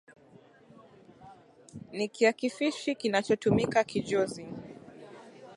Ni kiakifishi kinachotumika kijozi.